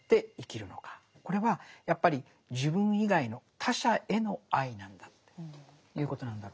これはやっぱり自分以外の「他者への愛」なんだということなんだ。